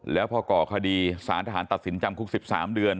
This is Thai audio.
แล้วพอก่อคดีสารทหารตัดสินจำคุก๑๓เดือน